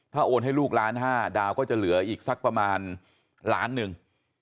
โอนให้ลูกล้านห้าดาวก็จะเหลืออีกสักประมาณล้านหนึ่ง